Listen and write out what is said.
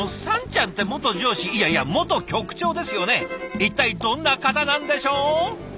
一体どんな方なんでしょう？